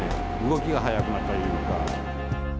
動きが速くなったりとか。